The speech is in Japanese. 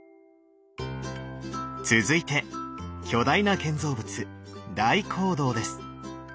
続いて巨大な建造物大講堂です。